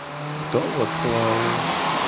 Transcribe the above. Dowoto awo.